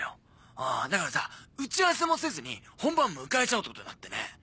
うんだからさ「打ち合わせもせずに本番迎えちゃおう」ってことになってね。